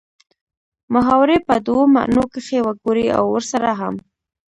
محاورې په دوو معنو کښې وګورئ او ورسره هم